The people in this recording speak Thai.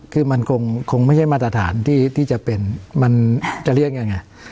คือมันคงไม่ใช่มาตรฐานที่จะเป็นมันจะเรียกยังไง